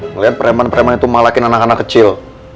melihat preman preman itu malakin anak anak kecil